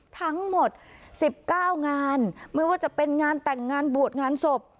ทั้งหมด๑๙งานไม่ว่าจะเป็นงานแต่งงานบวชงานศพ